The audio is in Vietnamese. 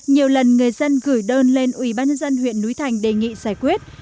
nhiều lần người dân gửi đơn lên ủy ban nhân dân huyện núi thành đề nghị giải quyết